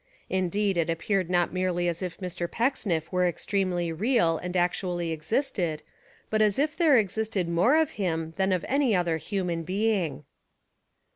Indeed It ap peared not merely as if Mr. Pecksniff were ex tremely real and actually existed, but as If there existed more of him than of any other human being.